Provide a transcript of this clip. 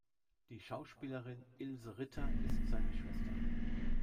Die Schauspielerin Ilse Ritter ist seine Schwester.